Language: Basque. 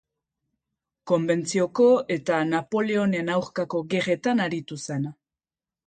Konbentzioko eta Napoleonen aurkako gerretan aritu zen.